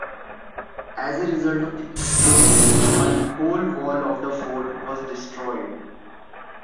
As a result of the explosion, one whole wall of the fort was destroyed.